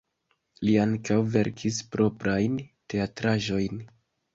Li ankaŭ verkis proprajn teatraĵojn.